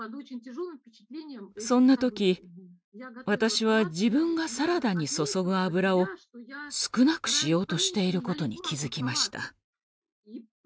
そんな時私は自分がサラダに注ぐ油を少なくしようとしていることに気付きました。